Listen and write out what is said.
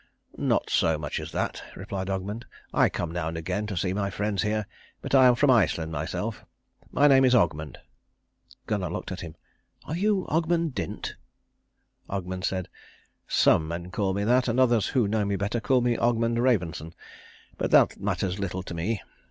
"Not so much as that," replied Ogmund. "I come now and again to see my friends here. But I am from Iceland myself. My name is Ogmund." Gunnar looked at him. "Are you Ogmund Dint?" Ogmund said, "Some men call me that, and others who know me better call me Ogmund Ravensson. But that matters little to me.